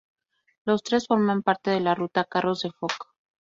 Los tres forman parte de la ruta Carros de Foc.